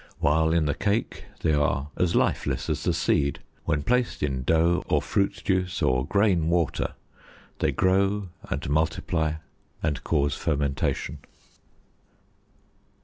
While in the cake they are as lifeless as the seed; when placed in dough, or fruit juice, or grain water, they grow and multiply and cause fermentation.